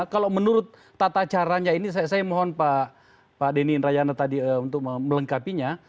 kalau menurut tata caranya ini saya mohon pak denny indrayana tadi untuk melengkapinya